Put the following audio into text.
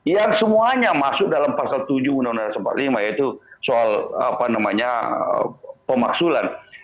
yang semuanya masuk dalam pasal tujuh undang undang seribu sembilan ratus empat puluh lima yaitu soal pemaksulan